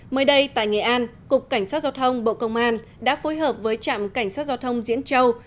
mới đây tại nghệ an cục cảnh sát giao thông bộ công an đã phối hợp với trạm cảnh sát giao thông diễn châu